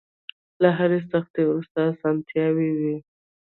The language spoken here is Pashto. له هرې سختۍ وروسته ارسانتيا وي.